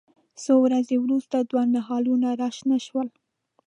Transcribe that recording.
څو ورځې وروسته دوه نهالونه راشنه شول.